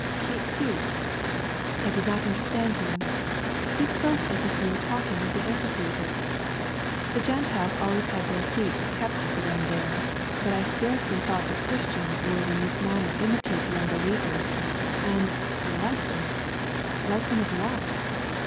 ' Keep seats !" I did not understand him. He spoke as if he were talking of the amphitheatre. The Gentiles always had their seats kept for them there, but I scarcely thought Christians ' r matter imitate the mihelievers :[ lesson of what